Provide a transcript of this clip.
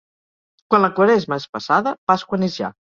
Quan la Quaresma és passada, Pasqua n'és ja.